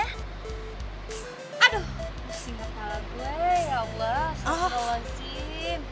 aduh masih ngepala gue ya allah astagfirullahaladzim